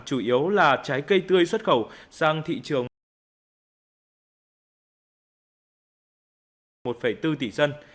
chủ yếu là trái cây tươi xuất khẩu sang thị trường một bốn tỷ dân